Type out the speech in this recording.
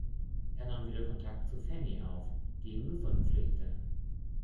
Er nahm wieder Kontakt zu Fanny auf, die ihn gesund pflegte.